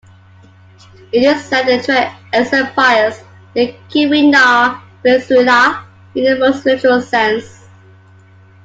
It is said the trail exemplifies the Keweenaw Peninsula in the most literal sense.